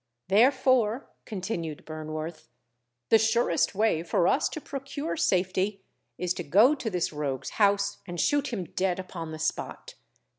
Therefore, continued Burnworth, _the surest way for us to procure safety, is to go to this rogue's house, and shoot him dead upon the spot.